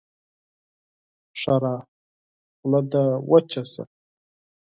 ښېرا: خوله دې وچه شه!